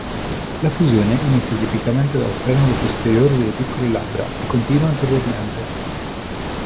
La fusione inizia tipicamente dal frenulo posteriore delle piccole labbra e continua anteriormente.